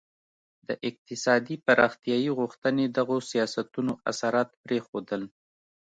د اقتصادي پراختیايي غوښتنې دغو سیاستونو اثرات پرېښودل.